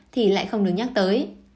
thì lại không được nhắc tới